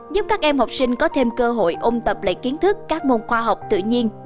giúp các em học sinh có thêm cơ hội ôm tập lấy kiến thức các môn khoa học tự nhiên